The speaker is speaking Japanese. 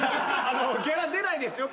ギャラ出ないですよ